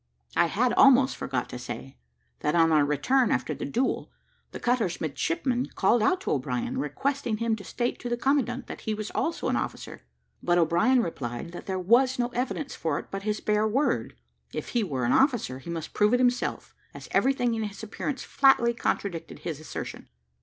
I had almost forgot to say, that on our return after the duel, the cutter's midshipman called out to O'Brien, requesting him to state to the commandant that he was also an officer; but O'Brien replied, that there was no evidence for it but his bare word. If he were an officer, he must prove it himself, as everything in his appearance flatly contradicted his assertion.